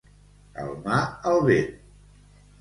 Calmar el vent.